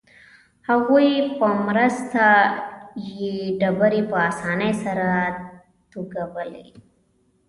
هغوی په مرسته یې ډبرې په اسانۍ سره توږلې.